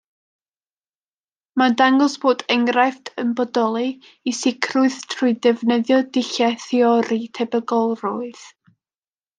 Mae'n dangos bod enghraifft yn bodoli, i sicrwydd, trwy ddefnyddio dulliau theori tebygolrwydd.